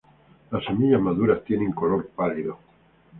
Las semillas maduras tienen color pálido.